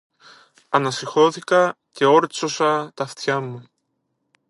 Ανασηκώθηκα και όρτσωσα τ' αυτιά μου